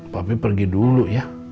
papi pergi dulu ya